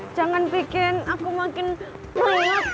jangan bikin aku makin pelet dong